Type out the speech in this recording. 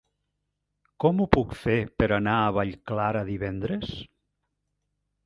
Com ho puc fer per anar a Vallclara divendres?